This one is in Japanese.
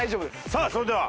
さあそれでは。